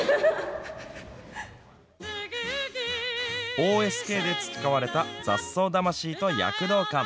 ＯＳＫで培われた雑草魂と躍動感。